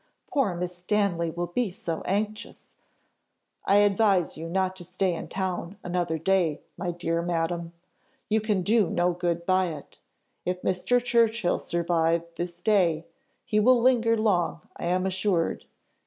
Poor Miss Stanley will be so anxious " "I advise you not to stay in town another day, my dear madam. You can do no good by it. If Mr. Churchill survive this day, he will linger long I am assured.